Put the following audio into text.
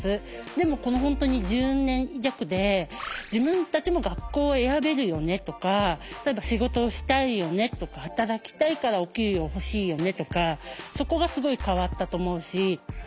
でも本当に１０年弱で自分たちも学校選べるよねとか例えば仕事をしたいよねとか働きたいからお給料欲しいよねとかそこがすごい変わったと思うし。